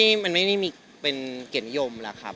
อเจมส์จริงมันไม่ได้มีเก่งยม